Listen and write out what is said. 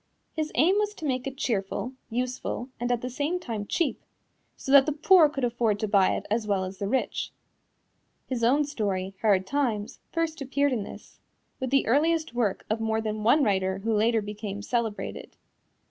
His aim was to make it cheerful, useful and at the same time cheap, so that the poor could afford to buy it as well as the rich. His own story, Hard Times, first appeared in this, with the earliest work of more than one writer who later became celebrated.